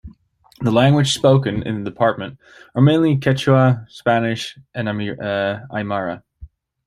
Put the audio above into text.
The languages spoken in the department are mainly Quechua, Spanish and Aymara.